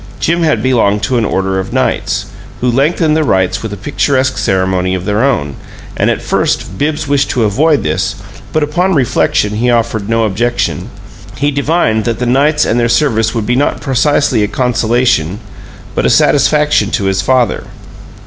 Jim had belonged to an order of Knights, who lengthened the rites with a picturesque ceremony of their own, and at first Bibbs wished to avoid this, but upon reflection he offered no objection he divined that the Knights and their service would be not precisely a consolation, but a satisfaction to his father.